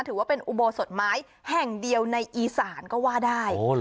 ถือว่าเป็นอุโบสถไม้แห่งเดียวในอีสานก็ว่าได้